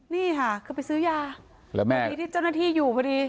นี่ค่ะคือไปซื้อยาแล้วแม่ดีที่เจ้าหน้าที่อยู่พอดี